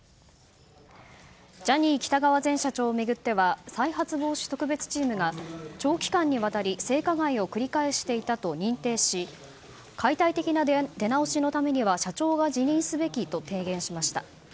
ジャニー喜多川前社長を巡っては再発防止特別チームが長期間にわたり性加害を繰り返していたと認定し解体的な出直しのためには社長が辞任すべきと提言しました。